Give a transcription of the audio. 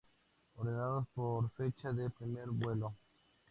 Ordenados por fecha de primer vuelo.